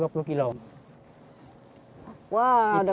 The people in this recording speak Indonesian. wah sudah keluar ya